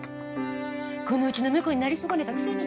このうちの婿になり損ねたくせに。